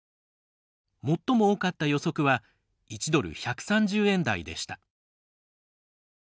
最も多かった予測は１ドル＝１３０円台でした。